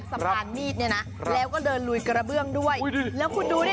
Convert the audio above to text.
สะพานมีดเนี่ยนะแล้วก็เดินลุยกระเบื้องด้วยแล้วคุณดูดิ